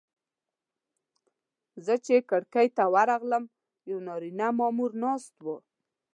زه چې کړکۍ ته ورغلم یو نارینه مامور ناست و.